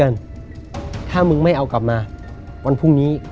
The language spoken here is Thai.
งงใช่ปั้งพี่